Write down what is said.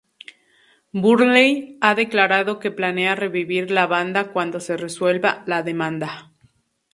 Burnley ha declarado que planea revivir la banda cuando se resuelva la demanda.